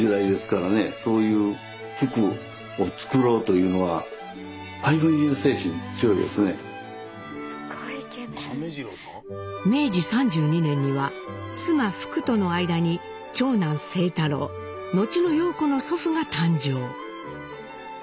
そういう服を作ろうというのは明治３２年には妻フクとの間に長男清太郎後の陽子の祖父が誕生。